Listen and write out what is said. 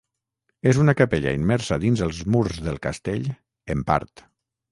És una capella immersa dins els murs del castell, en part.